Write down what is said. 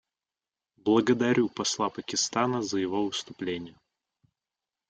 Благодарю посла Пакистана за его выступление.